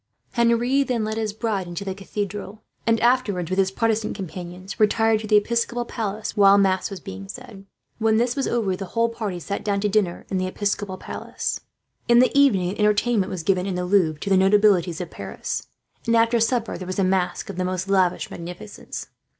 Henri then led his bride into the cathedral; and afterwards, with his Protestant companions, retired to the Episcopal Palace while mass was being said. When this was over, the whole party sat down to dinner in the Episcopal Palace. In the evening an entertainment was given, in the Louvre, to the notabilities of Paris; and after supper there was a masque of the most lavish magnificence.